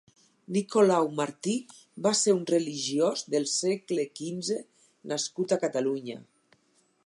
Nicolau Martí va ser un religiós del segle quinze nascut a Catalunya.